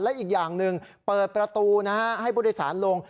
และอีกอย่างหนึ่งเปิดประตูนะฮะให้ผู้โดยสารลง